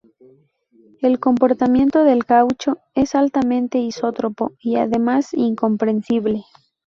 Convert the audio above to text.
El comportamiento del caucho es altamente isótropo y además incompresible.